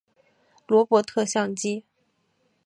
罗伯特像机。